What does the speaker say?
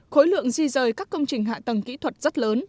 khối lượng di rời các công trình hạ tầng kỹ thuật rất lớn